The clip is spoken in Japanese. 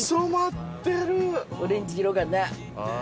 オレンジ色がね。